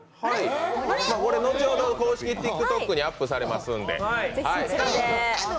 これ、後ほど公式ＴｉｋＴｏｋにアップされますので。